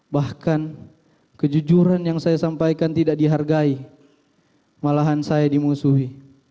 bahkan kejujuran yang saya sampaikan tidak dihargai malahan saya dimusuhi